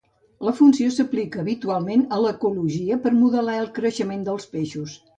La funció s'aplica habitualment a l'ecologia per modelar el creixement dels peixos.